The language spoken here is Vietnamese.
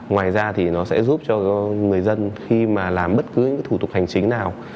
ngoài ra thì nó sẽ giúp cho người dân khi mà làm bất cứ những thủ tục hành chính nào